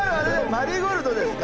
マリーゴールドですか？